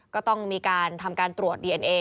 ก็ต้องมีการทำการตรวจดีเอนเอ